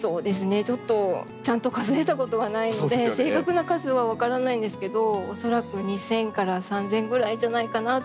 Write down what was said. ちょっとちゃんと数えたことがないので正確な数は分からないんですけど恐らく２，０００から３，０００ぐらいじゃないかなと。